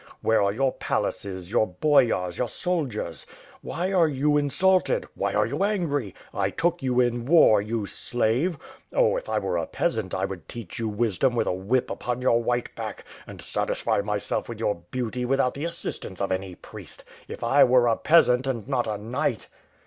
Where are your palaces, your Boyars, your soldiers r Why are you in sulted? Why are you angry? I took you in war, you slave! Oh, if I were a peasant, I would teach you wisdom with a whip upon your white back, and satisfy myself with your beauty without the assistance of any priest. If I were a peasant, and not a knight!"